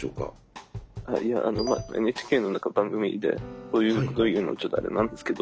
いやＮＨＫの何か番組でこういうことを言うのちょっとあれなんですけど。